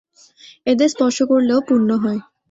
এদের স্পর্শ করলেও পুণ্য হয়!